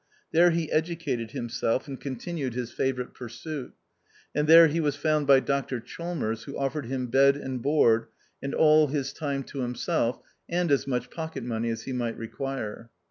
There he educated himself, and continued his favourite pursuit; and there he was found by Dr Chalmers, who offered him bed and board, and all his time to him self, and as much pocket money as he might require.